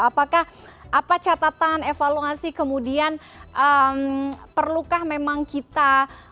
apakah apa catatan evaluasi kemudian perlukah memang kita